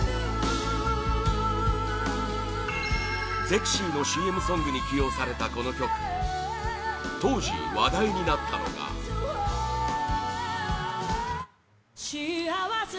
「ゼクシィ」のＣＭソングに起用された、この曲当時、話題になったのが山崎：